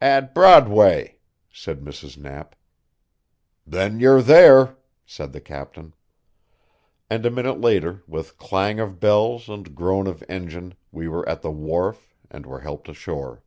"At Broadway," said Mrs. Knapp. "Then you're there," said the captain. And, a minute later, with clang of bells and groan of engine we were at the wharf and were helped ashore.